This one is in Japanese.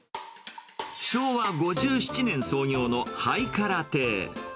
昭和５７年創業のハイカラ亭。